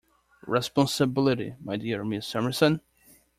Responsibility, my dear Miss Summerson?